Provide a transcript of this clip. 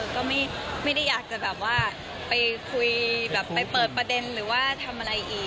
ก็ไม่ได้อยากจะแบบว่าไปคุยแบบไปเปิดประเด็นหรือว่าทำอะไรอีก